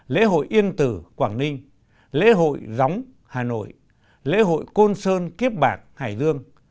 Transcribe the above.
lễ hội yên tử quảng ninh lễ hội gióng hà nội lễ hội côn sơn kiếp bạc hải dương